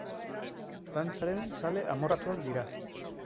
Dantzaren zale amorratuak dira.